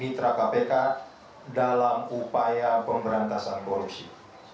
saya berterima kasih kepada pemerintah kpk dalam upaya pemberantasan korupsi